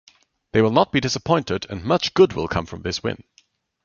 They will not be disappointed and much good will come from this win.